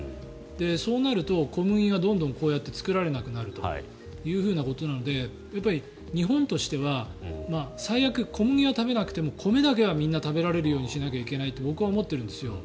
そうなると、小麦がどんどん作られなくなるということなのでやっぱり日本としては最悪、小麦は食べなくても米だけはみんな食べられるようにしないといけないと僕は思っているんですよ。